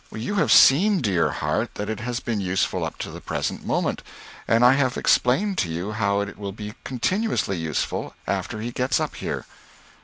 "You have seen, dear heart, that it has been useful up to the present moment, and I have explained to you how it will be continuously useful after he gets up here."